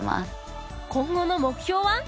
今後の目標は？